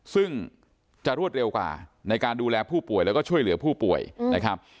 ซึ่งจะรวดเร็วกว่าในการดูแลผู้ป่วยแล้วก็ช่วยเหลือผู้ป่วยนะครับ